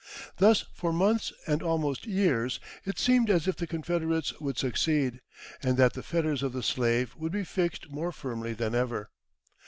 Thus for months and almost years it seemed as if the Confederates would succeed, and that the fetters of the slave would be fixed more firmly than ever.